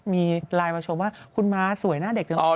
อ๋อมีไลน์มาชมท์ว่าคุณม้าสวยหน้าเด็กเตี๋ยวอ่ะ